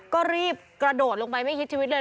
ก็รีบกระโดดลงไปไม่คิดชีวิตเลย